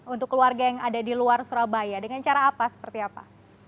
untuk keluarga yang ada di luar surabaya dengan cara apa seperti apa